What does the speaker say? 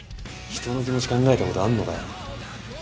人の気持ち考えたことあんのかよ？